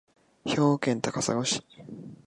兵庫県高砂市